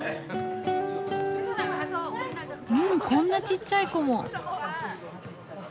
こんなちっちゃい子も！